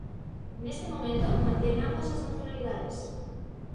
Neste momento mantén ambas as nacionalidades.